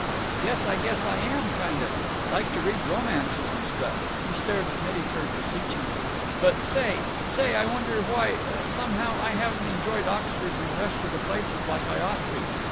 "Yes, I guess I am. Kind of. Like to read romances and stuff." He stared at Mittyford beseechingly. "But, say—say, I wonder why—Somehow, I haven't enjoyed Oxford and the rest of the places like I ought to.